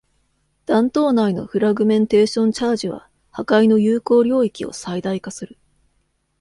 弾頭内のフラグメンテーションチャージは、破壊の有効領域を最大化する。